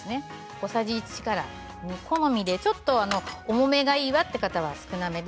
小さじ１から２好みで重めがいいわという方は少なめで。